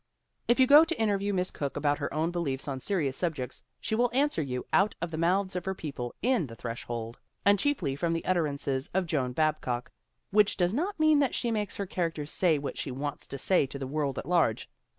If you go to interview Miss Cooke about her own beliefs on serious subjects she will answer you out of the mouths of her people in The Threshold, and chiefly from the utterances of Joan Babcock which does not mean that she makes her characters say what she wants to say to the world at large.